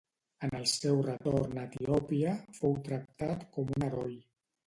En el seu retorn a Etiòpia fou tractat com un heroi.